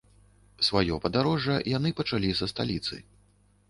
Сваё падарожжа яны пачалі са сталіцы.